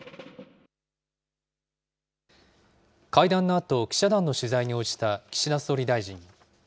会談のあと、記者団の取材に応じた岸田総理大臣。